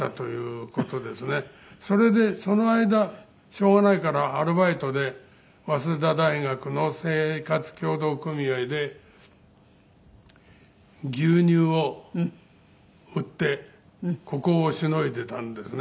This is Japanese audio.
それでその間しょうがないからアルバイトで早稲田大学の生活協同組合で牛乳を売って糊口をしのいでいたんですね。